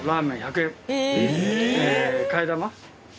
替え玉。